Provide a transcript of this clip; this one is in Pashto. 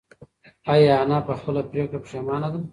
ایا انا په خپله پرېکړه پښېمانه ده؟